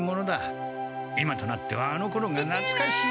今となってはあのころがなつかしい。